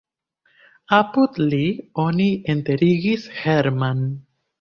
Apud li oni enterigis Herrmann.